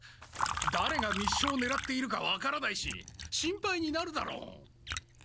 だれが密書をねらっているか分からないし心配になるだろう。